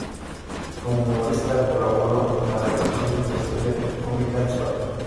Como humorista colaboró en la redacción de "La historia cómica de España".